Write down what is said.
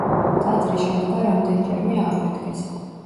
ტაძრის შენობა რამდენჯერმე ააფეთქეს.